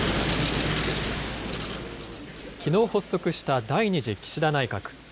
きのう発足した第２次岸田内閣。